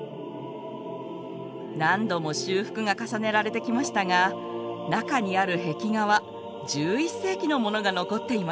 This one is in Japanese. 何度も修復が重ねられてきましたが中にある壁画は１１世紀のものが残っています。